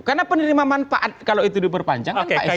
karena penerimaan manfaat kalau itu diperpanjang kan pak s b